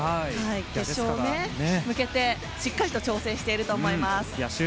決勝に向けてしっかりと調整していると思います。